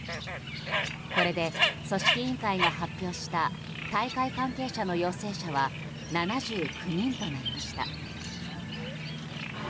これで組織委員会が発表した大会関係者の陽性者は７９人となりました。